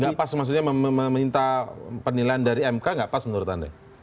nggak pas maksudnya meminta penilaian dari mk nggak pas menurut anda